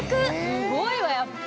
すごいわやっぱ。